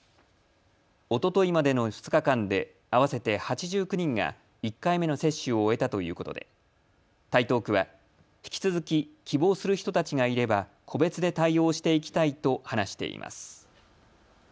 おとといまでの２日間で合わせて８９人が１回目の接種を終えたということで台東区は引き続き、希望する人たちがいれば個別で対応していきたいと話しています。